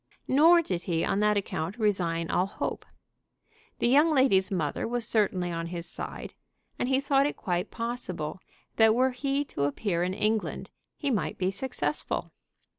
Nor did he on that account resign all hope. The young lady's mother was certainly on his side, and he thought it quite possible that were he to appear in England he might be successful.